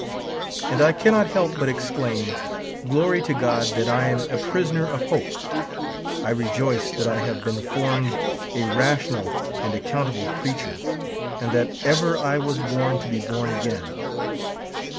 And I cannot help but exclaim, glory to God that I am a prisoner of hope, I rejoice that I have been formed a rational and accountable creature, and that ever I was born to ])e born again.